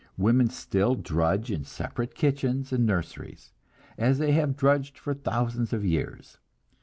Women still drudge in separate kitchens and nurseries, as they have drudged for thousands of years.